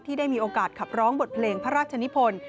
ได้มีโอกาสขับร้องบทเพลงพระราชนิพล